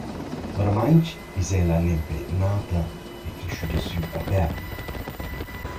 Vairamaing es ella nempe nata e creschüda sü a Berna.